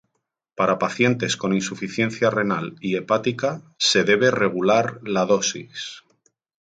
Para pacientes con insuficiencia renal y hepática, se debe regular la dosis.